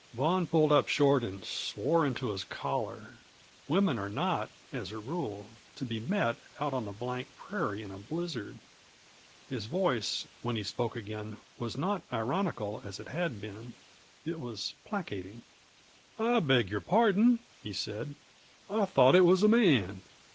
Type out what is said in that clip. Vaughan pulled up short and swore into his collar. Women are not, as a rule, to be met out on the blank prairie in a blizzard. His voice, when he spoke again, was not ironical, as it had been; it was placating. "I beg your pardon," he said. "I thought it was a man.